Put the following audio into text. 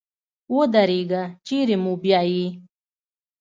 ودرېږه چېري مو بیایې ؟